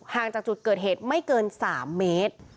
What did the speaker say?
ห่างจากจุดเกิดเหตุไม่เกินสามเมตร